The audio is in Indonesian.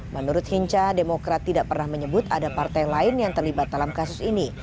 menurut hinca demokrat tidak pernah menyebut ada partai lain yang terlibat dalam kasus ini